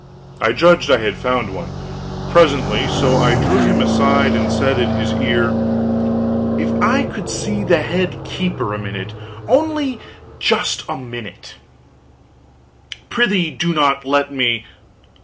I judged I had found one, presently; so I drew him aside and said in his ear: "If I could see the head keeper a minute only just a minute " "Prithee do not let me."